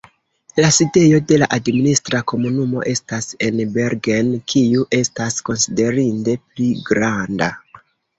La sidejo de la administra komunumo estas en Bergen, kiu estas konsiderinde pli granda.